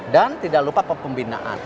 dan tidak lupa kepembinaan